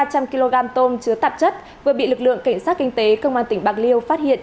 ba trăm linh kg tôm chứa tạp chất vừa bị lực lượng cảnh sát kinh tế công an tỉnh bạc liêu phát hiện